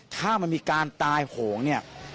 ถ้ามันมีการตายโหงเนี่ย